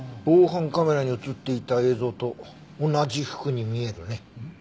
防犯カメラに映っていた映像と同じ服に見えるね。